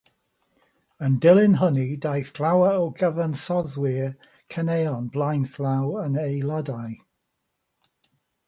Yn dilyn hynny, daeth llawer o gyfansoddwyr caneuon blaenllaw yn aelodau.